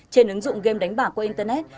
trên ứng dụng game đánh bạc của internet